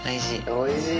おいしい。